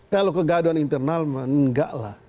kalau kegaduhan internal enggak lah